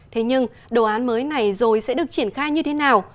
thế nhưng đồ án mới này rồi sẽ được triển khai như thế nào